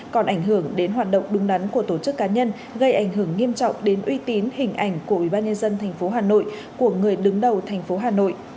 còn ảnh hưởng đến hoạt động đúng đắn của tổ chức cá nhân gây ảnh hưởng nghiêm trọng đến uy tín hình ảnh của ubnd tp hà nội của người đứng đầu thành phố hà nội